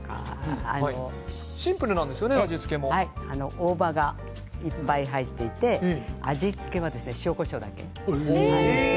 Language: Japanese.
大葉がいっぱい入っていて味付けは塩、こしょうだけです。